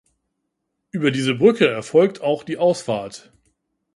Über diese Brücke erfolgt auch die Ausfahrt.